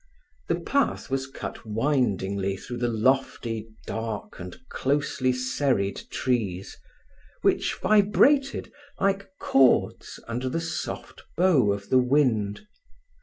The path was cut windingly through the lofty, dark, and closely serried trees, which vibrated like chords under the soft bow of the wind.